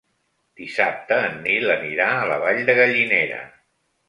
Dissabte en Nil anirà a la Vall de Gallinera.